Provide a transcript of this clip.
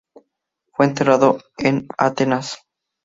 Fue enterrado en Atenas.